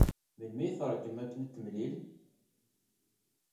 Melmi ay tṛeggem akken ad t-temlil?